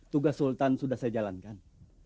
tugas sultan sudah saya jalankan